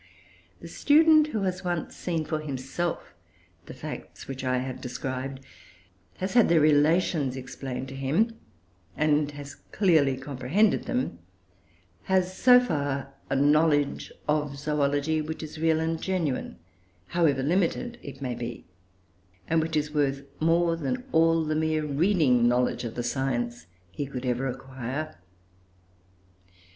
The student who has once seen for himself the facts which I have described, has had their relations explained to him, and has clearly comprehended them, has, so far, a knowledge of zoology, which is real and genuine, however limited it may be, and which is worth more than all the mere reading knowledge of the science he could ever acquire.